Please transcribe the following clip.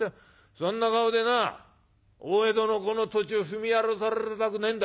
そんな顔でなお江戸のこの土地を踏み荒らされたくねえんだよ」。